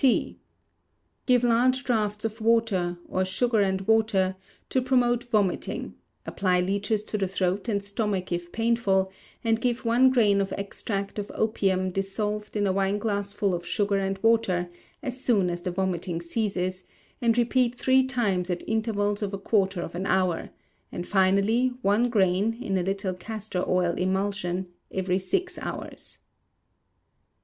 T. Give large draughts of water, or sugar and water, to promote vomiting; apply leeches to the throat and stomach if painful; and give one grain of extract of opium dissolved in a wineglassful of sugar and water, as soon as the vomiting ceases, and repeat three times at intervals of a quarter of an hour; and finally, one grain, in a little castor oil emulsion, every six hours.